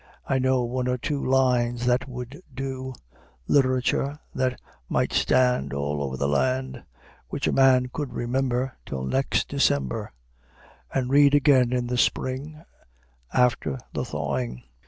I know one or two Lines that would do, Literature that might stand All over the land, Which a man could remember Till next December, And read again in the spring, After the thawing.